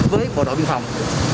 với bộ đội biên phòng